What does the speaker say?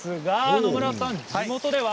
野村さん、地元では？